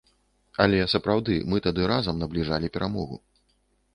Але, сапраўды, мы тады разам набліжалі перамогу.